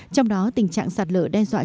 trong đó tình trạng sạt lở đe dọa